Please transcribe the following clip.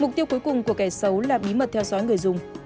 mục tiêu cuối cùng của kẻ xấu là bí mật theo dõi người dùng